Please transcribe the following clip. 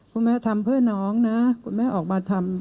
คุณแม่ทำเพื่อน้องนะคุณแม่ออกมาทำ